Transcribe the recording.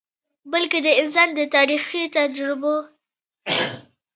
بلکه د انسان د تاریخي تجربو ،